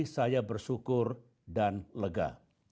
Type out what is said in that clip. saya bersyukur dan lega